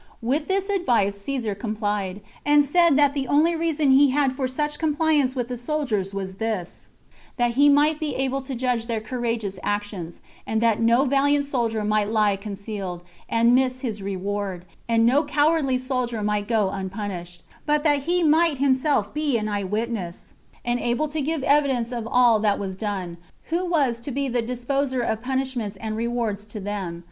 With this advice Caesar complied, and said that the only reason he had for such compliance with the soldiers was this, that he might be able to judge of their courageous actions, and that no valiant soldier might lie concealed, and miss of his reward, and no cowardly soldier might go unpunished; but that he might himself be an eye witness, and able to give evidence of all that was done, who was to be the disposer of punishments and rewards to them.